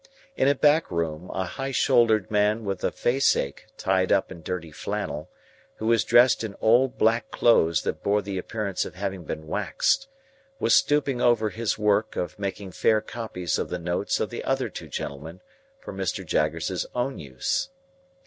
In a back room, a high shouldered man with a face ache tied up in dirty flannel, who was dressed in old black clothes that bore the appearance of having been waxed, was stooping over his work of making fair copies of the notes of the other two gentlemen, for Mr. Jaggers's own use.